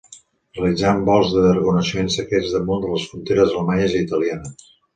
Realitzant vols de reconeixement secrets damunt de les fronteres Alemanyes i Italianes.